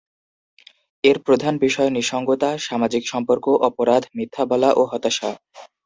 এর প্রধান বিষয় নিঃসঙ্গতা, সামাজিক সম্পর্ক, অপরাধ, মিথ্যা বলা ও হতাশা।